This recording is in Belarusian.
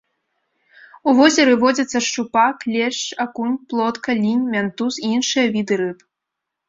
У возеры водзяцца шчупак, лешч, акунь, плотка, лінь, мянтуз і іншыя віды рыб.